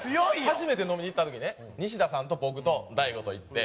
初めて飲みに行った時ね西田さんと僕と大悟と行って。